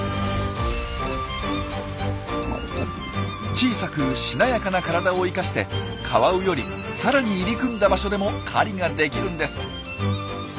小さくしなやかな体を生かしてカワウよりさらに入り組んだ場所でも狩りができるんです。